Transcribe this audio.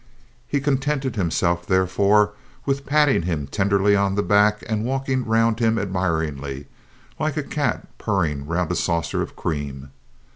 He contented himself, therefore, with patting him tenderly on the back and walking round him admiringly, like a cat purring round a saucer of cream.